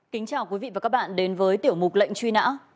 kính chào quý vị và các bạn đến với tiểu mục lệnh truy nã